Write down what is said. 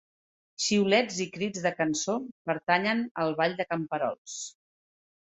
Xiulets i crits de cançó pertanyen al ball de camperols.